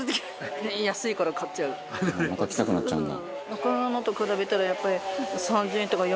「また来たくなっちゃうんだ」